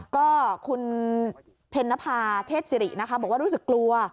ก็คุณเพ็ญนภาเทศสิรินะคะบอกว่ารู้สึกกลัว